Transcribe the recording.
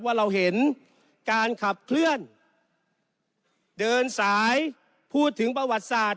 ว่าเราเห็นการขับเคลื่อนเดินสายพูดถึงประวัติศาสตร์